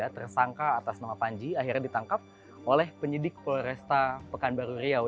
tersangka atas nama panji akhirnya ditangkap oleh penyidik polresta pekanbaru riau